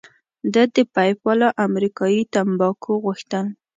ده د پیپ والا امریکايي تمباکو غوښتل.